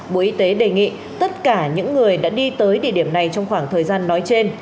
bộ y tế đề nghị tất cả những người đã đi tới địa điểm này trong khoảng thời gian nói trên